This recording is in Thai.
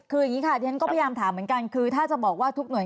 คืออย่างนี้ค่ะที่ฉันก็พยายามถามเหมือนกันคือถ้าจะบอกว่าทุกหน่วย